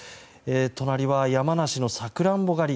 隣は山梨のサクランボ狩り。